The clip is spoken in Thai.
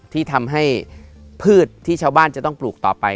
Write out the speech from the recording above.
ที่ทำให้พืชที่ชาวบ้านจะต้องปลูกต่อไป